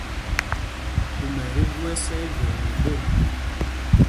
Kuma ɛ gu ɛ ɛsá ivekle i ɓot.